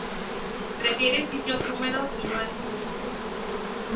Prefiere sitios húmedos y no es muy común.